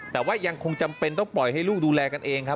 แต่ว่ายังคงจำเป็นต้องปล่อยให้ลูกดูแลกันเองครับ